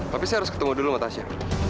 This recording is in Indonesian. tapi saya harus ketemu dulu mas tasya